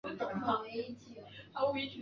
亨利尝试让他们通过电话联系考雷什。